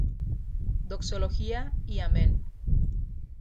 Doxología y Amén